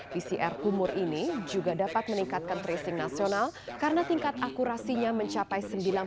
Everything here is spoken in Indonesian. pcr kumur ini juga dapat meningkatkan tracing nasional karena tingkat akurasinya mencapai sembilan puluh